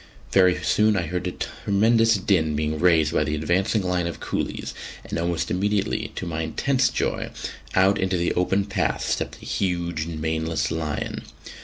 Very soon I heard a tremendous din being raised by the advancing line of coolies, and almost immediately, to my intense joy, out into the open path stepped a huge maneless lion.